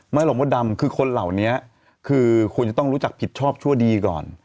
หรอกมดดำคือคนเหล่านี้คือควรจะต้องรู้จักผิดชอบชั่วดีก่อน